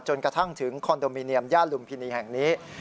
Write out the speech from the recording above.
จนกระทั่งถึงคอนโดมิเนียมย่านลุมพินีแห่งนี้